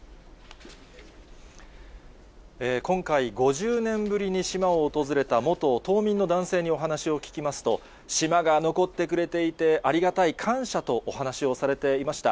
今回、５０年ぶりに島を訪れた元島民の男性にお話を聞きますと、島が残ってくれていてありがたい、感謝とお話をされていました。